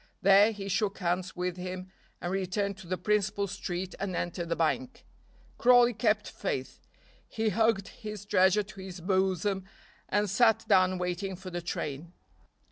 There he shook hands with him and returned to the principal street and entered the bank. Crawley kept faith, he hugged his treasure to his bosom and sat down waiting for the train.